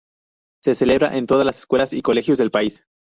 Se celebra en todas las escuelas y colegios del país.